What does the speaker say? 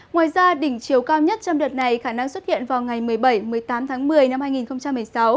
ngoài ra đỉnh chiều cao nhất trong đợt này khả năng xuất hiện vào ngày một mươi bảy một mươi tám tháng một mươi năm hai nghìn một mươi sáu